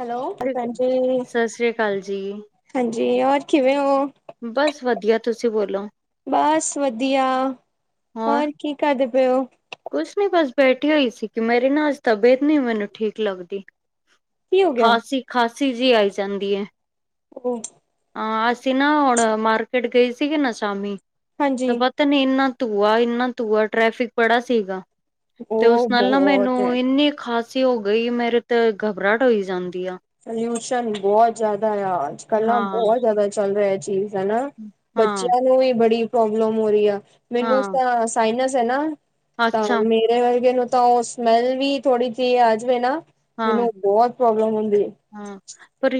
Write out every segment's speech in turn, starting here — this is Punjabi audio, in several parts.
ਹੈਲੋ ਭਾਜੀ ਸਤਿ ਸ੍ਰੀ ਅਕਾਲ ਜੀ ਹਾਂਜੀ, ਹੋਰ ਕਿਵੇਂ ਹੋ? ਬਸ ਵਧੀਆ ਤੁਸੀਂ ਬੋਲੋ ਬਸ ਵਧੀਆ, ਹੋਰ? ਕੀ ਕਰਦੇ ਪਏ ਔ? ਕੁਛ ਨੀ ਬਸ ਬੈਠੀ ਹੋਈ ਸੀ, ਕਿ ਮੇਰੀ ਨਾ ਅੱਜ ਤਬੀਅਤ ਨਹੀਂ ਮੈਨੂੰ ਠੀਕ ਲੱਗਦੀ। ਕੀ ਹੋ ਗਿਆ? ਖਾਸੀ-ਖਾਸੀ ਜੀ ਆਈ ਜਾਂਦੀ ਹੈ। [unintelligible] ਹਾਂ ਅਸੀਂ ਨਾ ਹੁਣ ਮਾਰਕੀਟ ਗਈ ਸੀਗੀ ਨਾ ਸ਼ਾਮੀ ਹਾਂਜੀ। ਤੇ ਪਤਾ ਨੀ ਇੰਨਾ ਧੂੰਆ, ਇੰਨਾ ਧੂੰਆ ਟ੍ਰੈਫਿਕ ਬੜਾ ਸੀਗਾ ਤੇ ਉਸ ਉਹ ਨਾਲ ਨਾ ਬਹੁਤ ਹੈ। ਮੈਨੂੰ ਇੰਨੀ ਖਾਸੀ ਹੋ ਗਈ, ਮੇਰੇ ਤੇ ਗਬਰਾਹਟ ਹੋਈ ਜਾਂਦੀ ਆ। ਪੋਲਿਊਸ਼ਨ ਬਹੁਤ ਜਿਆਦਾ, ਆ ਅੱਜ-ਕੱਲ੍ਹ ਨਾ ਹਾਂ ਬਹੁਤ ਜ਼ਿਆਦਾ ਚੱਲ ਰਿਹਾ ਚੀਜ਼। ਹਨ, ਹਾਂ ਬੱਚਿਆਂ ਨੂੰ ਵੀ ਬੜੀ ਪ੍ਰੋਬਲਮ ਹੋ ਰਹੀ ਆ ਮੈਨੂੰ ਹਾਂ ਤਾਂ ਸਾਇਨਸ ਹੈ, ਨਾ ਤਾਂ ਅੱਛਾ ਮੇ ਵਰਗੇ ਨੂੰ ਤਾਂ ਉਹ ਸਮੈਲ ਵੀ ਥੋੜੀ ਜਿਹੀ ਆ ਜਾਵੇ ਨਾ ਹਾਂ ਮੈਨੂੰ ਬਹੁਤ ਪ੍ਰੋਬਲਮ ਹੁੰਦੀ। ਹਾਂ, ਪਰ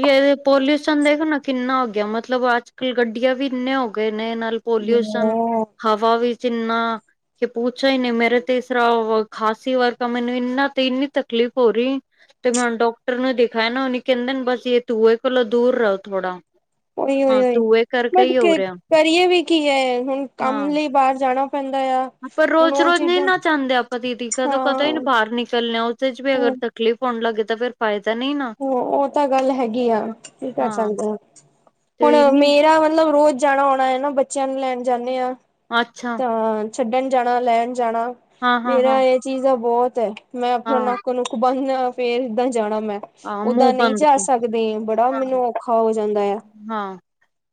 ਪੋਲਿਊਸ਼ਨ ਦੇਖ ਨਾ ਕਿੰਨਾ ਹੋ, ਗਿਆ ਮਤਲਬ ਅੱਜ ਕਲ ਗੱਡੀਆਂ ਵੀ ਇੰਨੇ ਹੋ। ਨੇ ਨਾਲ ਪੋਲਿਊਸ਼ਨ ਹੋ ਹਵਾ ਵੀ ਇੰਨਾਂ ਕਿ ਪੱਛਾ ਹੀ ਨਹੀਂ ਮੇਰਾ ਤੇ ਇਸ ਤਰ ਖਾਸੀ ਵਰਗਾ ਮੈਨੂੰ ਇਨਾ ਤੇ ਇੰਨੀ ਤਕਲੀਫ਼ ਹੋ ਰਹੀ। ਤੇ ਮੈਂ ਹੁਣ ਡਾਕਟਰ ਨੂੰ ਦਿਖਾਇਆ ਨਾ, ਉਹਨ ਕਹਿੰਦੇ ਬਸ ਇਹ ਤੂੰਏ ਕੋਲੋਂ ਦੂਰ ਰਹੋ ਥੋੜਾ। ਉਹੀ ਉ ਹਾਂ ਧੂੰਏ ਕਰਕੇ ਬਟ ਹੀ ਹੋ ਰਿਹਾ ਕਰੀਏ ਵੀ ਕੀ ਹੈ, ਹੁਣ ਕੰਮ ਲਈ ਬਾਹਰ ਜਾਣਾ ਪੈਂਦਾ ਆ ਆਪਾਂ ਹੁਣ ਰੋਜ਼, ਉਹ ਰੋਜ਼ ਨਹੀਂ ਚੀਜ਼ਾਂ ਨਾ ਚਾਹੁੰਦੇ, ਆਪਾਂ ਦੀਦੀ ਕਦੋਂ ਕਦੋਂ ਹੀ ਹਾਂ ਨ ਬਾਹਰ ਨਿਕਲਣੇ ਉਸਦੇ ਚ ਵੀ ਅਗਰ ਤ ਤਕਲੀ ਹੋਉਣ ਲੱਗੇ, ਤਾਂ ਫਿਰ ਫਾਇਦਾ ਨੀ ਨਹੀਂ ਨਾ। ਹ ਉਹ ਤਾਂ ਗੱਲ ਹੈਗੀ ਆ ਕੀ ਕਰ ਹਾਂ ਸਕਦੇ ਆ ਹੁਣ ਤੇ ਇਹ ਨੀ ਮੇ ਜਿਹੜਾ ਮਤਲਬ ਰੋਜ਼ ਜਾਣਾ ਆਉਣਾ ਹੈ, ਨਾ ਬੱਚਿਆਂ ਨੂੰ ਲੈਣ ਜਾਂਦੇ ਆਾਂ। ਅੱਛਾ। ਆ ਛੱਡਣ ਜਾਣਾ ਲੈਣ ਜਾਣਾ ਹਾਂ ਹਾਂ ਹਾਂ ਮੇਰਾ ਇਹ ਚੀਜ਼ ਬਹੁਤ ਹੈ। ਮੈਂ ਆਪਣਾ ਹਾਂ ਨੱਕ ਨੁਕ ਬੰਨਣਾ ਫੇਰ ਦਾਂ ਜਾਣਾ ਮੈਂ। ਓਦਾਂ ਨਹੀਂ ਜਾ ਸਕਦੇ, ਬੜਾ ਮੈਨੂੰ ਔਖਾ ਹੋ ਜਾਂਦਾ ਆ। ਹਾਂ।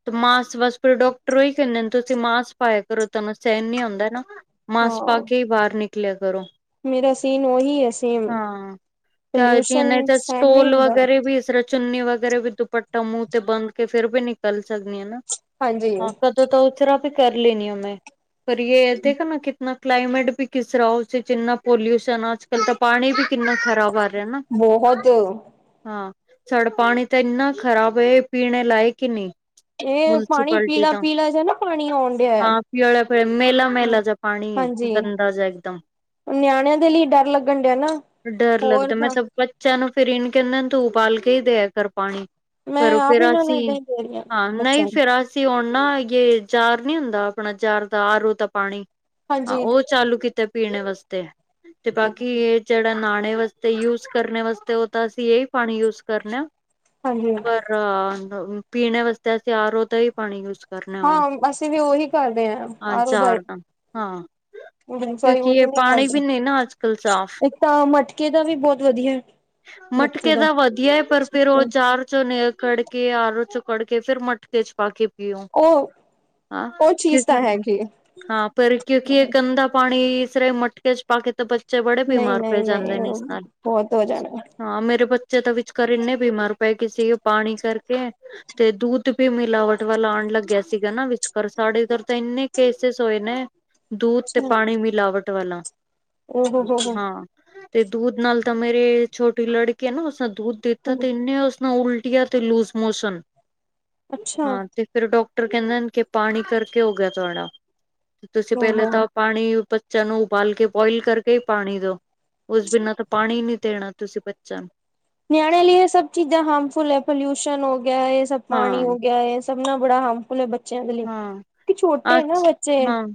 ਤੇ ਮਾਸ ਬਸ ਫਿਰ ਡਾਕਟਰ ਉਹੀ ਕਹਿੰਦੇ ਨੇ ਤੁਸੀਂ ਮਾਸ ਪਾਾਇਆ ਕਰੋ, ਤੁਹਾਨੂੰ ਸਹਿਣ ਨੀ ਆਉਂਦਾ ਨਾ। ਮਾਸ ਪਾ ਹਾਂ ਕੇ ਹੀ ਬਾਹਰ ਨਿਕਲਿਆ ਕਰੋ। ਮੇਰਾ ਸੀਨ ਉਹੀ ਹੈ। ਸੇਮ ਹਾਂ, ਨਹੀਂ ਪੋਲਿਊਸ਼ਨ ਤਾਂ ਸਹਿਣ ਨਹੀਂ ਸਟੋਲ ਹੁੰਦਾ ਵਗੈਰੇ ਬ ਚੁੰਨੀ ਵਗੈਰਾ ਵੀ ਦੁਪੱਟਾ ਮੂੰਹ ਤੇ ਬੰਦ ਕੇ ਫੇਰ ਵੀ ਨਿਕਲ ਸਕਦੀ ਹਨਾ, ਹਾਂਜੀ ਹੁਣ ਤਾਂ ਤਾਂ ਉਥਰਾ ਵੀ ਕਰ ਲੈਣੀ ਹ ਮੈਂ ਪਰ ਯ ਦੇਖ ਨਾ ਕਿਤਨਾ ਕਲਾਈਮੇਟ ਵੀ ਕਿਸ ਤਰਾਂ ਉਸ 'ਚ ਇੰਨਾ ਪੋਲਿਊਸ਼ਨ ਅੱਜ ਕਲ ਤਾਂ ਪਾਣੀ ਵੀ ਕਿੰਨਾ ਖਰਾਬ ਆ। ਬਹੁਤ ਹਾਂ ਸਾਡਾ ਪਾਣੀ ਤਾਂ ਇੰਨਾ ਖ਼ਰਾਬ ਹੈ ਪੀਣੇ ਲਾਇਕ ਨਹੀ। ਇਹ ਪਾਣੀ ਮੁਨਸਪਾਲਟੀ ਪੀਲਾ ਤਾਂ ਪੀਲਾ ਜਿਹਾ ਨਾ ਪਾਣੀ ਆਉਣ ਡਿਆ ਹਾਂ ਪਿਲਿਆ ਪਿਆ ਮੇਲਾ ਆ। ਮੇਲਾ ਜ ਪਾਣੀ ਹੈ ਹਾਂਜੀ ਗੰਦਾ ਜੇ ਇੱਕਦਮ ਨਿਆਣਿਆਂ ਦੇ ਲਈ ਡਰ ਲੱਗਣ ਡਿਆ ਨਾ। ਡਰ ਲੱਗਦਾ ਮੈਂ ਤਾਂ ਬੱਚਿਆਂ ਨੂੰ ਫਿਰ ਇੰਨ ਕੇਂਏ ਤੂੰ ਉਬਾਲ ਕੇ ਹੀ ਦਿਆ ਕਰ ਪਾਣੀ ਫ ਮੈਂ ਆਪ ਫਿਰ ਇਹਨਾਂ ਨੂੰ ਅਸੀ ਏਦਾਂ ਹੀ ਦੇ ਰਹੀ ਹਾਂ ਨਹੀਂ ਬੱਚਿਆਂ ਨੂੰ ਫਿਰ ਅ ਅਸੀ ਆਉਣ ਨਾ ਜੇ ਜਾਰ ਨੀ ਹੁੰਦਾ ਆਪਣਾ ਜਾਰ ਦਾ ਆਰੂ ਤਾਂ ਪਾਣੀ ਹਾਂਜੀ ਉਹ ਚਾਲੂ ਕੀਤਾ ਪੀਣੇ ਵਾਸਤੇ ਤੇ ਬਾਕੀ ਇਹ ਜਿਹੜਾ ਨਹਾਣੇ ਵਾਸਤੇ ਯੂਜ ਕਰਨੇ ਵਾਸਤੇ ਉਹ ਤਾਂ ਅਸੀਂ ਇਹੀ ਪਾਣੀ ਯੂਜ ਕਰਣੇ ਆ। ਹਾਂਜੀ ਰਾ ਪੀਣ ਵਾਸਤੇ ਅਸੀਂ ਆਰੋ ਦਾ ਹੀ ਪਾਣੀ ਯੂਜ ਕਰਨਾ ਹੁਣ ਹਾਂ ਅਸੀ ਵੀ ਉਹੀ ਕਰਦੇ ਹਾਂ ਆਰੋ ਦਾ ਈ। ਹਾਂ ਕਿਉਂਕਿ ਇਹ ਨਹੀਂ ਪਾਣੀ ਕਰਦੇ ਵੀ ਨਹੀ ਨਾ ਅੱਜ ਕੱਲ੍ਹ ਸਾਫ਼ ਇੱਕ ਤਾਂ ਮਟਕੇ ਦਾ ਵੀ ਬਹੁਤ ਵਧੀਆ। ਮਟਕੇ ਤਾਂ ਵਧੀਆ ਪਰ ਫਿਰ ਉਹ ਜਾਰ 'ਚੋਂ ਕੜ ਕੇ ਆਰ ਚੋਂ ਕੱੜ ਕੇ ਫੇਰ ਮਟਕੇ 'ਚ ਪਾ ਕੇ ਕਿਉ ਉਹ ਅਂ ਉਹ ਚੀਜ਼ ਕਿਉਕਿ ਤਾਂ ਹੈਗੀ ਹਾਂ ਪਰ ਕਿਉਂਕਿ ਇਹ ਗੰਦਾ ਪਾਣੀ ਇਸ ਤਰ ਮਟਕੇ 'ਚ ਪਾ ਕੇ ਤਾਂ ਬੱਚੇ ਬੜੇ ਬਿਮਾਰ ਪੈ ਨਹੀ- ਜਾਂਦੇ ਨਹੀ ਨੇ ਉਹ ਇਸ ਨਾਲ ਬਹੁਤ ਹੋ ਜਾਣਾ। ਹਾਂ ਮੇਰੇ ਬੱਚੇ ਤਾਂ ਵਿਚਕਾਰ ਇੰਨੇ ਬਿਮਾਰ ਪਏ ਗ ਸੀ ਉਹ ਪਾਣੀ ਕਰਕੇ ਤੇ ਦੁੱਧ ਵੀ ਮਿਲਾਵਟ ਵੱਲ ਆਉਣ ਲੱਗਿਆ ਸੀਗਾ ਨਾ ਵਿਚਕਾਰ ਸਾਡੇ ਇਧਰ ਤਾਂ ਇੰਨੇ ਕੇਸਿਸ ਹੋਏ ਨੇ। ਦੂਧ ਤੇ ਅੱਛਾ ਪਾਣੀ ਮਿਲਾਵਟ ਵਾਲਾ ਉਹ ਹੋ ਹੋ ਹਾਂ। ਤੇ ਦੂਧ ਨਾਲ ਤਾਂ ਮੇਰੇ ਛੋਟੀ ਲੜਕੀ ਹੈ ਨਾ ਉਸਨ ਦੂਧ ਦਿੱਤਾ ਹੋ ਤੇ ਇੰਨੇ ਉਸ ਨਾਲ ਉਲਟ ਉਲਟੀਆਂ ਤੇ ਲੂਜ ਮੋਸ਼ਨ ਅੱਛਾ ਹਾਂ ਤੇ ਫਿਰ ਡਾਕਟਰ ਕਹਿੰਦੇ ਕਿ ਪਾਣੀ ਕਰਕੇ ਹੋ ਗਿਆ ਤੁਹਾਡਾ ਤੁਸੀਂ ਪਹਿਲੇ ਹੋ ਤਾਂ ਪਾਣੀ ਬੱਚਿਆਂ ਨੂੰ ਉਬਾਲ ਕੇ ਬੋਇਲ ਕਰਕੇ ਹੀ ਪਾਣੀ ਦੋ। ਉਸ ਬਿਨਾਂ ਤਾਂ ਪਾਣੀ ਨੀ ਦੇਣਾ ਤੁਸੀ ਬੱਚਿਆਂ ਨੂੰ। ਨਿਆਣੇ ਲਈ ਸਭ ਚੀਜ਼ਾਂ ਹਾਰਮਫੁਲ ਹੈ ਪੋਲੂਸ਼ਨ ਹੋ ਗਿਆ ਹੈ ਸਭ ਪਾਣੀ ਹੋ ਹਾਂ ਗਿਆ ਏ। ਸਭਨਾ ਬੜਾ ਹਾਰਮੁਲ ਬੱਚ ਹਾਂ ਅੱਛਾ ਹਾਂ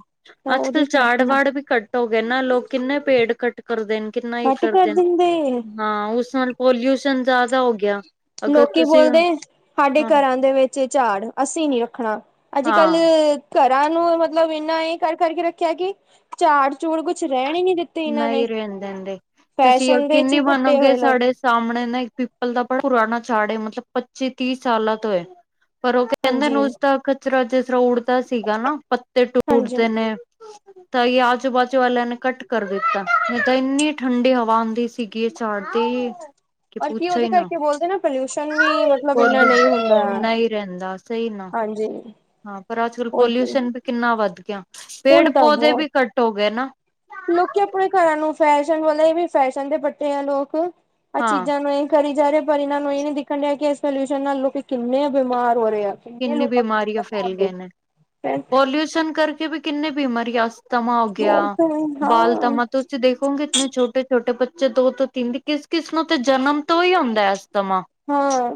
ਤਾਂ ਅੱਜ ਉਹਦੇ ਕੱਲ੍ਹ ਜਾੜ ਕਰਕੇ ਵੜ ਵੀ ਕੱਟ ਹੋ ਗਏ ਨਾ ਲੋਕ ਕਿੰਨੇ ਪੇੜ ਕੱਟ ਕਰਦੇ ਨੇ ਕਿੰਨਾ ਘੱਟ ਕਰ ਕਰਦੇ ਦਿੰਦੇ ਨੇ। ਹਾਂ ਉਸ ਨਾਲ ਪੋਲਿਊਸ਼ਨ ਜ਼ਿਆਦਾ ਹੋ ਗਿਆ। ਅਗਰ ਲੋਕੀ ਤੁਸੀਂ ਬੋਲਦੇ ਸਾਡੇ ਹਾਂ ਘਰਾਂ ਦੇ ਵਿੱਚ ਝਾੜ ਅਸੀ ਨੀ ਰੱਖਣਾ। ਅਜ ਕੱਲ ਹਾਂ ਘਰਾਂ ਨੂੰ ਮਤਲਬ ਇੰਨਾ ਇਹ ਕਰ ਕਰਕੇ ਰੱਖਿਆ ਕਿ ਝਾੜ ਝੂੜ ਕੁਛ ਰਹਿਣ ਹੀ ਨੀ ਦਿੱਤਾ। ਨਹੀਂ ਰਹਿਣ ਦਿੰਦੇ ਤੁਸੀਂ ਦੇ ਚ ਕਿ ਹੀ ਪੱਟੇ ਬਨੋਗੇ ਹੋਏ ਲੋਕ ਸਾਡੇ ਸਾਹਮਣੇ ਨਾ ਇੱਕ ਪਿੱਪਲ ਦਾ ਪੁਰਾਣਾ ਝਾੜ ਮਤਲਬ ਪੱਚੀ ਤੀਹ ਸਾਲਾਂ ਤੋਂ ਹੈ। ਪਰ ਉਹ ਕਹਿੰਦੇ ਹਾਂਜੀ ਉਸਦਾ ਕਚਰਾ ਜਿਸ ਤਰਾ ਉੱਡਦਾ ਸੀਗਾ ਨਾ। ਤੇ ਹਾਂਜੀ ਟੂਟਦੇ ਨੇ ਤਾਂ ਇਹ ਆਜੂ ਬਾਜੂ ਵਾਲਿਆਂ ਨੇ ਕੱਟ ਕਰ ਦਿੱਤਾ ਨਹੀਂ ਤਾਂ ਇੰਨੀ ਠੰਡੀ ਹਵਾ ਹੁੰਦੀ ਸੀਗੀ ਇਹ ਝਾੜਦੀ। ਔਰ ਕੀ ਉਹਦੇ ਕਰਕੇ ਬੋਲਦੇ ਨਾ ਪੋਲਿਊਸ਼ਨ ਵੀ ਮਤਲਬ ਇੰਨਾ ਨਹੀਂ ਹੁੰਦਾ। ਪੋਲਿਊ ਨਹੀਂ ਰਹਿੰਦਾ ਸਹੀ ਨਾ ਹਾਂਜੀ ਹਾਂ ਪਰ ਅੱਜ ਕੱਲ ਉਹ ਪੋਲਿਊਸ਼ਨ ਵੀ ਕਿੰਨਾ ਵੱਧ ਗਿਆ ਪੇੜ ਹੁਣ ਤਾਂ ਪੌਦੇ ਬਹੁਤ ਵੀ ਕੱਟ ਹੋ ਗਏ ਨਾ। ਲੋਕੀ ਆਪਣੇ ਘਰਾਂ ਨੂੰ ਫੈਸ਼ਨ ਵਾਲੇ ਵੀ ਫੈਸ਼ਨ ਦੇ ਬੱਟੇ ਆ ਲੋਕ ਆਹ ਹਾਂ ਚੀਜ਼ਾਂ ਨੂੰ ਇਹ ਕਰੀ ਜਾ ਰਿਹਾ ਪਰ ਇਹ ਨੂੰ ਇਹ ਨ ਨਹੀਂ ਦੇਖਣ ਡਹਾ ਕਿ ਇਸ ਪੋਲਿਊਸ਼ਨ ਨਾਲ ਲੋਕੀ ਕਿੰਨੇ ਬਿਮਾਰ ਹੋ ਰਹੇ ਆ ਕਿੰਨੇ ਕਿੰਨੀ ਲੋਕਾਂ ਨੂੰ ਦਿੱਕਤ ਹੋਣ ਡਈ ਫਿਰ ਪੋਲਿਊਸ਼ਨ ਕਰਕੇ ਵੀ ਕਿੰਨੇ ਬਿਮਾਰੀ ਅਸਤਮਾ ਹੋ ਗਿਆ ਬਹੁਤ ਬਾਲ ਹਾਂ ਤਮਾ ਤੁਸੀਂ ਦੇਖੋਗੇ ਇੰਨੇ ਛੋਟੇ ਛੋਟੇ ਬੱਚੇ ਦੋ ਤੋਂ ਤਿੰਨ ਦੀ ਕਿਸ ਕਿਸ ਨੂੰ ਤੇ ਜਨਮ ਤੋਂ ਹੀ ਆਉਂਦਾ ਇਸ ਸਮਾਂ ਹਾਂ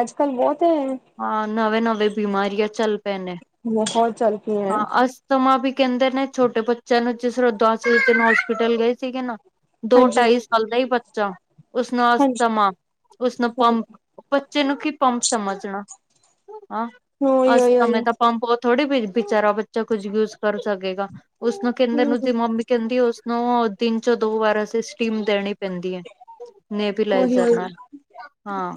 ਅੱਜ ਕੱਲ ਬਹੁਤ ਹੈ। ਹਾਂ ਨਵੇਂ ਨਵੇਂ ਬਿਮਾਰੀਆਂ ਚੱਲ ਪਏ ਨੇ। ਬਹੁਤ ਚੱਲ ਕੀ ਹੈ। ਸਮਾਂ ਵੀ ਕਹਿੰਦੇ ਨੇ ਛੋਟੇ ਬੱਚਿਆਂ ਨੂੰ ਜਿਸ ਰਧਸ ਤਨ ਹੋਸਪਿਟਲ ਗਏ ਸੀਗੇ ਨਾ। ਦੋ ਹਾਂਜੀ ਢਾਈ ਸਾਲ ਦਾ ਹੀ ਬੱਚਾ ਉਸਨੂੰ ਹਾਂਜੀ ਅਸਥਮਾ ਉਸਨੂੰ ਪੰਪ ਬੱਚੇ ਨੂੰ ਕੀ ਪੰਪ ਸਮਝਣਾ ਹਾਂ ਅ ਉਹੀ ਉਹੀ ਉਹੀ ਸਮੇਂ ਤਾਂ ਪੰਪ ਬਹੁਤ ਥੋੜ੍ਹੀ ਵੀ ਵਿਚਾਰਾ ਬੱਚਾ ਕੁੱਝ ਯੂਜ ਕਰ ਸਕੇਗਾ। ਉਸਨੂੰ ਕਹਿੰਦੇ ਹਮ ਨੂੰ ਦੀ ਮੰਮੀ ਕਹਿੰਦੀ ਉਸਨੂੰ ਦਿਨ ਚੋ ਦੋ ਵਾਰ ਅਸੀ ਸਟੀਮ ਦੇਣੀ ਪੈਂਦੀ ਹੈ। ਉਹੀ ਨਵੀਲਾਈਜ਼ਰ ਉਹੀ ਨਾਲ ਹਾਂ।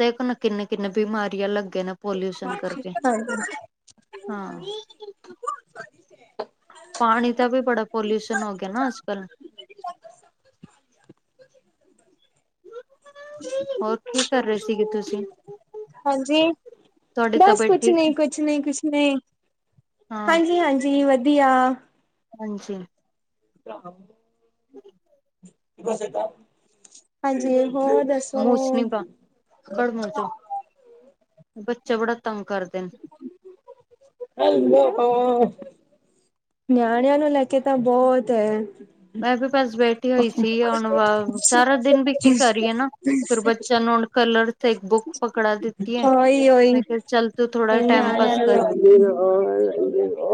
ਦੇਖੋ ਨਾ ਕਿੰਨੇ ਕਿੰਨੇ ਬਿਮਾਰੀਆਂ ਲੱਗੇ ਨੇ ਪੋਲਿਊਸ਼ਨ ਕਰਕੇ। ਹਾਂ। ਪਾਣੀ ਦਾ ਵੀ ਬੜਾ ਪੋਲਿਊਸ਼ਨ ਹੋ ਗਿਆ ਨਾ ਅੱਜ ਕੱਲ੍ਹ। ਹਾਂ। ਹੋਰ ਕੀ ਕਰ ਰਹੇ ਸੀਗੇ ਤੁਸੀਂ। ਹਾਂਜੀ ਤੁਹਾਡੀ ਬਸ ਤਬੀਅਤ ਕੁਛ ਠੀਕ ਨੀ ਹੈ ਕੁਛ। ਕੁਛ ਨੇ ਕੁਛ ਨੇ ਹਾਂ ਹਾਂਜੀ ਹਾਂਜੀ ਵਧੀਆ। ਹਾਂਜੀ। ਤਾਂ ਹਾਂਜੀ ਹੋਰ ਦੱਸੋ? ਮੂਛ ਨੀ ਪਾ ਬੱਚਾ ਬੜਾ ਤੰਗ ਕਰਦੇ ਨੇ। [inaudible] ਨਿਆਣਿਆਂ ਨੂੰ ਲੈ ਕੇ ਤਾਂ ਬਹੁਤ ਹੈ। ਮੈਂ ਵੀ ਬਸ ਬੈਠ ਟੀ ਹੋਈ ਸੀ ਹੁਣ ਵ ਸਾਰਾ ਦਿਨ ਵੀ ਕੀ ਕਰੀਏ ਨਾ ਫਿਰ ਬੱਚਿਆਂ ਨੂੰ ਹੁਣ ਕਲਰ ਇੱਕ ਬੁੱਕ ਪਕੜਾ ਦਿੱਤੀ ਹੈ ਉਹੀ, ਉਹੀ ਮੈਂ ਕਿਹਾ ਚੱਲ ਤੂੰ ਥੋੜਾ ਟਾਈਮ ਪਾਸ ਕਰ [inaudible]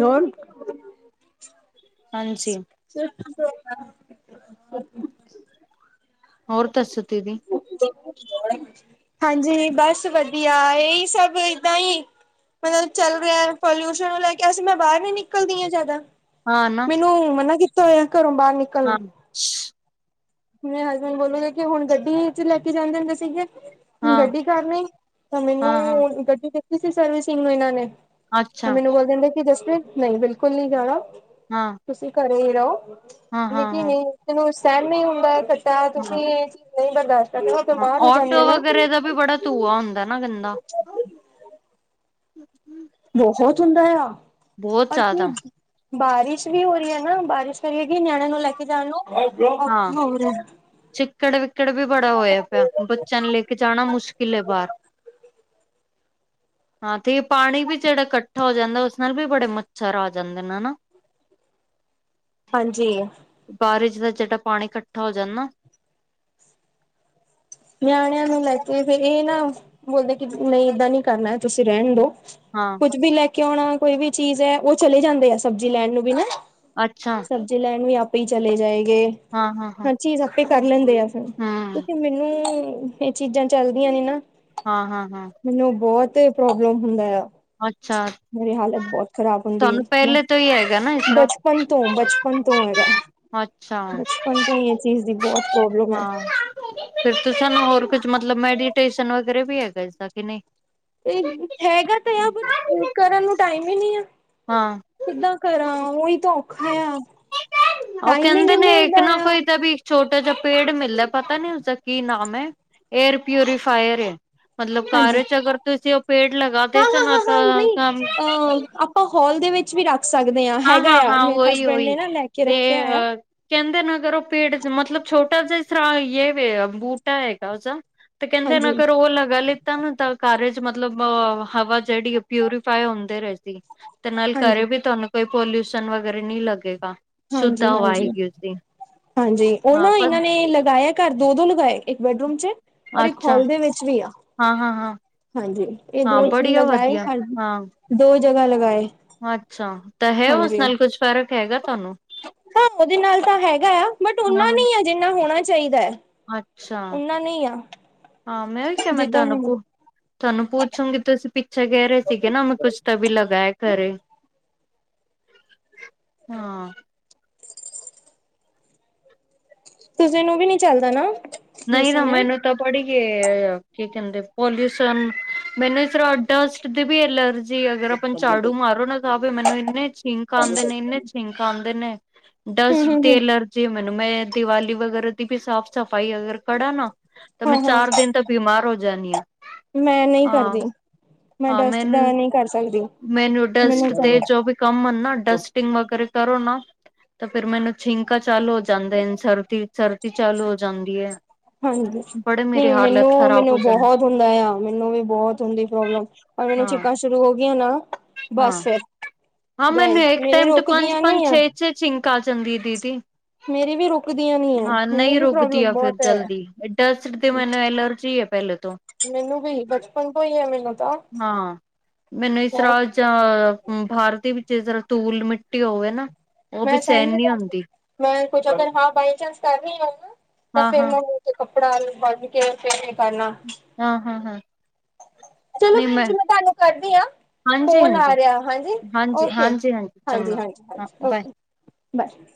ਹੋਰ? ਹਾਂਜੀ। [inaudible] ਹੋਰ ਤਰਸਤ ਦੀ ਹਾਂਜੀ ਬਸ ਵਧੀਆ ਇਹੀ ਸਭ ਏਦਾਂ ਹੀ। ਮਤਲਬ ਚੱਲ ਰਿਹਾ ਪੋਲਿਊਸ਼ਨ ਨੂੰ ਲੈ ਕੇ ਅਸੀਂ ਮੈਂ ਬਾਹਰ ਨ ਨਿਕਲਦੀ ਹਾਂ ਜਿਆਦਾ। ਹਾਂ ਨਾ। ਨ ਮਨਨਾ ਕੀਤਾ ਹੋਇਆ ਘਰੋਂ ਬਾਹਰ ਹਾਂ ਨਿਕਲਣ ਆਪਣੇ ਹਸਬੈਂਡ ਬੋਲੋਗੇ ਕਿ ਹੁਣ ਗੱਡੀ ਚ ਲੈ ਕੇ ਜਾਂਦੇ ਹੁੰਦੇ ਸੀਗੇ। ਹਾਂ ਗੱਡੀ ਕਰਨ ਤਾਂ ਹਾਂ ਮੈਨੂੰ ਹਾਂ ਗੱਡੀ ਦਿੱਤੀ ਸੀ ਸਰਵਿਸਿੰਗ ਨੂੰ ਇਹਨਾਂ ਨੇ। ਅੱਛਾ ਮੈਨੂੰ ਬੋਲ ਦਿੰਦਾ ਕਿ ਜਸਵੀਰ ਨਹੀਂ ਬਿਲਕੁਲ ਨਹੀਂ ਜਾਣਾ। ਹਾਂ। ਤੁਸੀਂ ਘਰੇ ਹੀ ਰਹੋ ਹਾਂ ਹਾਂ ਨਕੀ ਹਾਂ ਨਹੀਂ ਤੈਨੂੰ ਸਹਿਣ ਨਹੀਂ ਹੁੰਦਾ ਕਟਾ ਹਾਂ ਤੁਸੀਂ। ਨਹੀਂ ਬਰਦਾਸ ਹਾਂ ਆਟੋ ਵਗੈਰੇ ਦਾ ਵੀ ਬੜਾ ਧੂੰਆ ਹੁੰਦਾ ਨਾ ਗੰਦਾ। [inaudible] ਬਹੁਤ ਹੁੰਦਾ ਆ ਬਹੁਤ ਪਰ ਕੀ ਜ਼ਿਆਦਾ ਬਾਰਿਸ਼ ਵੀ ਹੋ ਰਹੀ ਹੈ ਨਾ ਬਾਰਿਸ਼ ਕਰੀਏਗੀ ਨਿਆਣਣੇ ਨੂੰ ਲੈ ਕੇ ਜਾਣ ਲੋਓ ਔਖਾ ਹਾਂ ਹੋ ਰਿਹਾ। ਚਿੱਕੜ ਵਿਕੜ ਵੀ ਬੜਾ ਹੋਇਆ ਪਿਆ ਬੱਚਿਆਂ ਨੂੰ ਲੈ ਕੇ ਜਾਣਾ ਮੁਸ਼ਕਿਲ ਬਾਹਰ। [inaudible] ਹਾਂ ਤੇ ਪਾਣੀ ਵੀ ਜਿਹੜਾ ਇਕੱਠਾ ਹੋ ਜਾਂਦਾ ਉਸ ਨਾਲ ਵੀ ਬੜੇ ਮੱਛਰ ਆ ਜਾਂਦੇ ਨੇ ਹਨਾ। [inaudible] ਹਾਂਜੀ। ਬਾਰਿਸ਼ ਦਾ ਜਿਹੜਾ ਪਾਣੀ ਇਕੱਠਾ ਹੋ ਜਾਂਣਾ ਨਾ। ਨਿਆਣਿਆਂ ਨੂੰ ਲੈ ਕੇ ਫ ਇਹ ਨਾ ਬੋਲਦੇ ਕਿ ਨਹੀਂ ਏਦਾਂ ਨੀ ਕਰਨਾ ਤੁਸੀ ਰਹਿਣ ਦੋ। ਹਾਂ। ਕੁੱਝ ਵੀ ਲੈ ਕੇ ਆਉਣਾ ਕੋਈ ਵੀ ਚੀਜ਼ ਹੈ ਉਹ ਚਲੇ ਜਾਂਦੇ ਆ ਸਬਜ਼ੀ ਲੈਣ ਨੂੰ ਵੀ ਨਾ। ਅੱਛਾ ਸਬਜ਼ੀ ਲੈਣ ਵੀ ਆਪੇ ਹੀ ਚਲੇ ਜਾਏਗੇ ਹਾਂ ਹਾਂ ਹਾਂ ਹਰ ਚੀਜ਼ ਆਪੇ ਕਰ ਲੈਂਦੇ ਆ। ਹੂੰ ਕਿਉਂਕਿ ਮੈਨੂੰ ਇਹ ਚੀਜ਼ਾਂ ਚਲਦੀਆਂ ਨੇ ਨਾ। ਹਾਂ- ਹਾਂ -ਹਾਂ। ਮੈਨੂੰ ਬਹੁਤ ਪ੍ਰੋਬਲਮ ਹੁੰਦਾ ਆ। ਅੱਛਾ ਮੇਰੀ ਹਾਲਤ ਬਹੁਤ ਖ਼ਰਾਬ ਹੁੰਦੀ ਤੁਹਾਨੂੰ ਮੈਂ ਪਹਿਲੇ ਤੋਂ ਹੀ ਹੈਗਾ ਨਾ ਇਸ ਤਰ੍ਹਾਂ ਬਚਪਨ ਤੋਂ ਬਚਪਨ ਤੋਂ ਹੈਗਾ ਅੱਛਾ ਬਚਪਨ ਤੋਂ ਹੀ ਇਹ ਚੀਜ਼ ਦੀ ਬਹੁਤ ਪ੍ਰੋਬਲਮ ਹੈ। ਹਾਂ ਫਿਰ ਤੁਸਾਨੂੰ ਹੋਰ ਕੁਝ ਮਤਲਬ ਮੈਡੀਟੇਸ਼ਨ ਵਗੈਰਾ ਵੀ ਹੈਗਾ ਇਸਦਾ ਕਿ ਨਹੀ। ਇਹ ਹੈਗਾ ਤਾਂ ਆ ਕਰਨ ਨੂੰ ਟਾਈਮ ਹੀ ਨਹੀ ਆ। ਹਾਂ। ਕਿੱਦਾਂ ਕਰਾਂ ਉਹੀ ਤ ਔਖਾ ਆ। ਉਹ ਟਾਈਮ ਹੀ ਕਹਿੰਦੇ ਨਹੀਂ ਨੇ ਇੱਕ ਮਿਲਦਾ ਨਾ ਆ ਕੋਈ ਤਾਂ ਵੀ ਛੋਟਾ ਜਿਹਾ ਪੇੜ ਮਿਲਦਾ ਪਤਾ ਨੀ ਉਸਦਾ ਕੀ ਨਾਮ ਹੈ ਏਅਰ ਪਿਊਰੀਫਾਇਰ ਏ। ਮਤਲਬ ਹਾਂਜੀ ਘਾਰ 'ਚ ਅਗਰ ਤੁਸੀੇ ਉਹ ਪੇੜ ਲਗਾ ਹਾਂ ਦੇ ਹਾਂ ਸਨ ਹਾਂ ਹਾਂ ਤਾਂ ਨਹੀਂ ਕੰਮ ਅ ਆਪਾਂ ਹਾਲ ਦੇ ਵਿੱਚ ਵੀ ਰੱਖ ਸਕਦੇ ਹਾਂ ਹੈਗਾ ਆ ਹਾਂ ਮੇਰੇ ਉਹੀ ਹਸਬੈਂਡ ਨੇ ਉਹੀ ਨਾ ਲੈ ਕੇ ਤੇ ਰੱਖਿਆ ਆ। ਅ ਕਹਿੰਦੇ ਨੇ ਅਗਰ ਉਹ ਪੇੜ ਮਤਲਬ ਛੋਟਾ ਜਿਹਾ ਇਸ ਤਰ੍ਹਾਂ ਬੂਟਾ ਹੈਗਾ ਜਾ ਤੇ ਕਹਿੰਦੇ ਹਾਂਜੀ ਅਗਰ ਉਹ ਲਗਾ ਲੇ। ਤਾ ਨੂੰ ਤਾਂ ਕਾਰਜ ਮਤਲਬ ਹਵਾ ਜਿਹੜੀ ਪਿਊਰੀਫਾਈ ਹੁੰਦੇ ਰਹੇਂਦੀ। ਨਾਲ ਕਰੇ ਹਾਂਜੀ ਵੀ ਤੁਹਾਨੂੰ ਕੋਈ ਪੋਲਿਊਸ਼ਨ ਵਗੈਰਾ ਨਹੀਂ ਲੱਗੇਗਾ। ਸ਼ੁੱਧ ਹਾਂਜੀ- ਹਵਾ ਹਾਂਜੀ ਆਏਗੀ ਉਸਦੀ -ਹਾਂਜੀ ਉਹ ਹਾਂ ਨਾ ਪਰ ਇਹਨਾਂ ਨੇ ਲਗਾਇਆ। ਘਰ ਦੋ- ਦੋ ਲਗਾਏ ਇੱਕ ਬੈਡਰੂਮ ਚ ਔਰ ਇੱਕ ਅੱਛਾ ਹਾਲ ਦੇ ਵਿੱਚ ਵੀ ਆ। ਹਾਂ- ਹਾਂ- ਹਾਂ। ਹਾਂਜੀ ਇਹ ਦੋ [unintelligible] ਬੜੀਆ ਲਗਾਏ ਵਧੀਆ ਹ ਹਾਂ ਦੋ ਜਗ੍ਹਾ ਲਗਾਏ। ਅੱਛਾ ਤਾਂ ਹੈ ਉਸ ਹਾਂਜੀ ਨਾਲ ਕੁਛ ਫ਼ਰਕ ਹੈਗਾ ਤੁਹਾਨੂੰ ਹਾਂ ਉਹਦੇ ਨਾਲ ਤਾਂ ਹੈਗਾ ਆ ਬਟ ਓਨਾ [inaudible] ਨਹੀਂ ਹੈ ਜਿੰਨਾ ਹੋਣਾ ਚਾਹੀਦਾ ਹੈ। ਅੱਛਾ ਓਨਾ ਨਹੀਂ ਆ ਹਾਂ ਮੈਂ ਵੀ ਕਿਹਾ ਮੈਂ ਜਿੱਦਾਂ ਤੁਹਾਨੂੰ ਹੁਣ ਤੁਹਾਨੂੰ ਪੁੱਛੋਗੀ ਤੁਸੀਂ ਪਿੱਛੇ ਕਹਿ ਰਹੇ ਸੀਗੇ ਨਾ ਮੈਂ ਕੁਛ ਤਾਂ ਵੀ ਲਗਾਇਆ ਘਰੇ ਹਾਂ। ਤੁਸੀੇ ਨੂੰ ਵੀ ਨੀ ਚੱਲਦਾ ਨਾ। ਨਹੀਂ ਨਾ ਟਿਊਸ਼ਨ ਹੈ। ਮੈਨੂੰ ਤਾਂ ਪੜ੍ਹੀਏ ਕੀ ਕਹਿੰਦੇ ਪੋਲਿਊਸ਼ਨ ਮੈਨੂੰ ਇਸਰਡਸਟ ਦੇ ਵੀਲਰ ਜੀ ਅਗਰ ਆਪਾਂ ਝਾੜੂ ਮਾਰੋ ਨਾ ਤਾਂ ਫ ਮੈਨੂੰ ਇੰਨੇ ਛਿੰਕ ਆਉਂਦੇ ਨੇ ਇੰਨੇ ਛਿੰਕ ਆਉਂਦੇ ਨੇ। ਹੂੰ ਡਸਟ ਹੂੰ ਦੀ ਹੂੰ ਅਲਰਜੀ ਹੈ ਮੈਨੂੰ ਮੈਂ ਦੀਵਾਲੀ ਵਗੈਰਾ ਦੀ ਵੀ ਸਾਫ਼ ਸਫ਼ਾਈ ਅਗਰ ਖੜਾ ਨਾ ਤਾਂ ਮੈਂ ਹਾਂ ਹਾਂ ਚਾਰ ਦਿਨ ਤਾਂ ਬਿਮਾਰ ਹੋ ਜਾਣੀ ਆ। ਮੈਂ ਨਹੀਂ ਹਾਂ ਕਰਦੀ। ਮੈਂ ਹਾਂ ਡਸਟ ਮੈਨੂੰ ਦਾ ਨਹੀਂ ਕਰ ਸਕਦੀ -ਮੈਨੂੰ ਡਸਟ ਤੇ ਜੋ ਵੀ ਕੰਮ ਹਨ ਨਾ ਡਸਟਿੰਗ ਵਗੈਰਾ ਕਰੋ ਨਾ ਤਾਂ ਫਿਰ ਮੈਨੂੰ ਛਿੰਕਾ ਚਾਲੂ ਹੋ ਜਾਂਦਾ ਸਰਦੀ ਸਰਦੀ ਚਾਲੂ ਹੋ ਜਾਂਦੀ ਹੈ। ਹਾਂਜੀ ਬੜੇ ਮੇਰੀ ਨਹੀਂ ਹਾਲਤ ਮੈਨੂੰ- ਖ਼ਰਾਬ ਹੋ ਮੈਨੂੰ ਜਾਂਦੀ ਬਹੁਤ ਹੁੰਦਾ ਆ ਮੈਨੂੰ ਵੀ ਬਹੁਤ ਹੁੰਦੀ ਪ੍ਰੋਬਲਮ ਔਰ ਮੈਨੂੰ ਹਾਂ ਛਿੱਕਾ 'ਚ ਸ਼ੁਰੂ ਹੋ ਗਈਆਂ ਨਾ ਹਾਂ ਬਸ ਫਿਰ ਹਾਂ ਗਏ ਮੈਨੂੰ ਇੱਕ ਮੇਰੇ ਟਾਈਮ ਤੇ ਪੰਜ- ਰੁਕਦੀਆਂ ਪੰਜ ਨੀ ਆ ਛੇ- ਛੇ ਛਿੰਕ ਆ ਜਾਂਦੀ ਦੀਦੀ ਮੇਰੀ ਵੀ ਰੁਕਦੀਆਂ ਨੀ ਹੈ ਹਾਂ ਮੈਨੂੰ ਨਹੀਂ ਵੀ ਰੁਕਦੀ ਪ੍ਰੋਬਲਮ ਆ ਫਿਰ ਬਹੁਤ ਹੈ। ਜਲਦੀ ਡਸਟ ਦੀ ਮੈਨੂੰ ਐਲਰਜੀ ਹੈ ਪਹਿਲੇ ਤੋਂ ਮੈਨੂੰ ਵੀ ਬਚਪਨ ਤੋਂ ਹੀ ਹੈ ਮੈਨੂੰ ਤਾਂ ਜਿਸ ਮੈਂ ਤਰ੍ਹਾਂ ਜਾਂ ਬਾਹਰ ਦੀ ਵਿੱਚ ਜਿਸ ਤਰ੍ਹਾਂ ਧੂਲ ਮਿੱਟੀ ਹੋਵੇ ਨਾ। ਉਹ ਵੀ ਮੈਂ ਸਹਿਣ ਨਹੀਂ ਨੀ ਕਰ ਸਕਦੀ, ਹੁੰਦੀ ਮੈਂ ਕੁਛ ਅਗਰ ਹਾਂ ਬਾਈ ਚਾਂਸ ਕਰ ਰਹੀ ਹਾ ਨਾ, ਤਾਂ ਹਾਂ ਫਿਰ ਹਾਂ ਮੈਂ ਤੇ ਕੱਪੜਾ ਬਣ ਕੇ, ਫੇਰ ਹੀ ਕਰਨਾ ਹਾਂ ਹਾਂ ਹਾਂ ਚਲੋ ਭੇਣ ਜੀ, ਮੈਂ ਤੁਹਾਨੂੰ ਕਰਦੀ ਹਾਂ। ਹਾਂਜੀ ਫੋਨ ਆ ਹਾਂਜੀ ਰਿਹਾ, ਹਾਂਜੀ, ਹਾਂਜੀ ਔਕੇ ਹਾਂਜੀ ਹਾਂਜੀ ਚੰਗਾ ਹਾਂਜੀ ਹਾਂ ਹਾਂਜੀ ਬਾਏ ਔਕੇ। ਬਾਏ।